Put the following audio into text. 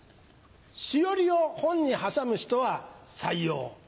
しおりを本に挟む人は採用。